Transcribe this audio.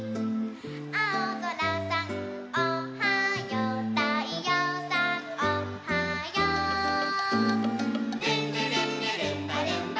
「あおぞらさんおはよう」「たいようさんおはよう」「ルンルルンルルンバルンバ」